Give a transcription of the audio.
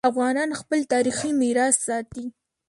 افغانان خپل تاریخي میراث ساتي.